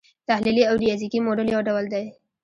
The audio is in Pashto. تحلیلي او ریاضیکي موډل یو ډول دی.